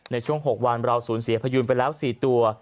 ในช่วง๖วันเราสูญเสียพยูนไปแล้ว๔ตัว